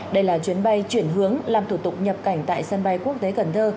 đây là chuyến bay chuyển hướng làm thủ tục nhập cảnh tại sân bay quốc tế cần thơ